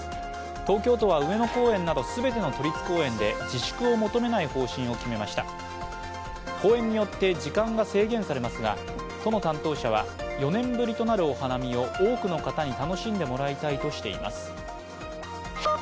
東京都は上野公園など全ての都立公園で自粛を求めない方針を決めました公園によって時間が制限されますが都の担当者は４年ぶりとなるお花見を多くの方に楽しんでもらいたいとしています。